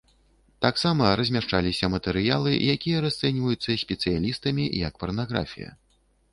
Таксама размяшчаліся матэрыялы, якія расцэньваюцца спецыялістамі як парнаграфія.